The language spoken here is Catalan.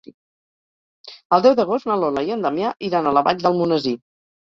El deu d'agost na Lola i en Damià iran a la Vall d'Almonesir.